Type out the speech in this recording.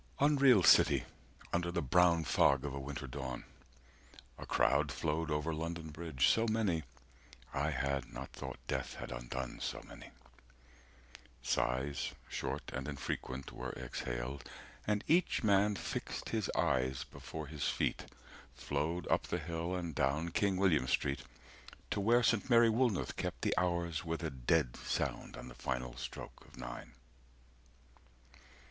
Unreal City, 60 Under the brown fog of a winter dawn, A crowd flowed over London Bridge, so many, I had not thought death had undone so many. Sighs, short and infrequent, were exhaled, And each man fixed his eyes before his feet. 65 Flowed up the hill and down King William Street, To where Saint Mary Woolnoth kept the hours With a dead sound on the final stroke of nine.